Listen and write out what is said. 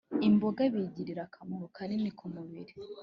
’imboga bigirira akamaro kanini kumubiri